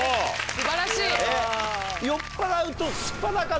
素晴らしい。